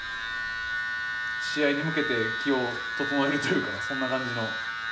試合に向けて気を整えるというかそんな感じの。